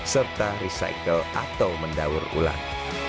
serta recycle atau mendaur ulang